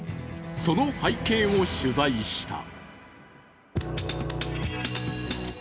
その背景を取材した。